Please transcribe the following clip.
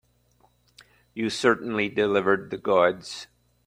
You certainly delivered the goods.